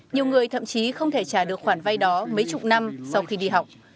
nhiều người thậm chí không thể trả được khoản vay đó mấy chục năm sau khi đi học